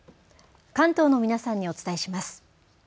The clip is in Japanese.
関東の皆さんにお伝えします。